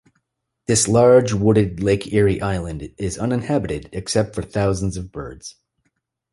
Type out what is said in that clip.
This large, wooded, Lake Erie island is uninhabited except for thousands of birds.